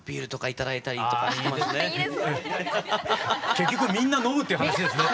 結局みんな飲むっていう話ですね。